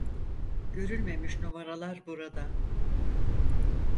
Görülmemiş numaralar burada.